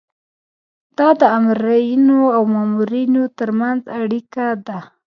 دا د آمرینو او مامورینو ترمنځ اړیکه ده.